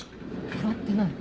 笑ってない。